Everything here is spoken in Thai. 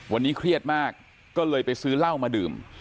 วันนี้เครียดมากก็เลยไปซื้อเหล้ามาดื่ม